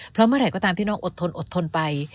เพราะเมื่อไหร่ก็ตามที่น้องอดทนอดทนไป